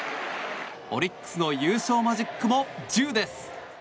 オリックスの優勝マジックも１０です。